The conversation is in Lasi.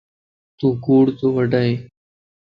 تون ڪوڙ تو وڊائين